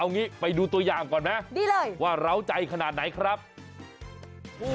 เอางี้ไปดูตัวอย่างก่อนนะว่าเราใจขนาดไหนครับดีเลย